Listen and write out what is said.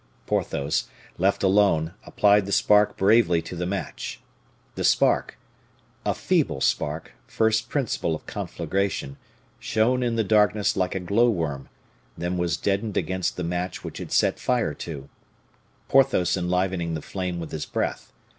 Porthos, left alone, applied the spark bravely to the match. The spark a feeble spark, first principle of conflagration shone in the darkness like a glow worm, then was deadened against the match which it set fire to, Porthos enlivening the flame with his breath.